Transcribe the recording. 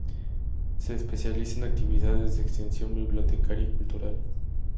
Se especializa en actividades de extensión bibliotecaria y cultural.